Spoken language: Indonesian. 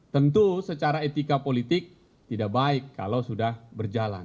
tentu secara etika politik tidak baik kalau sudah berjalan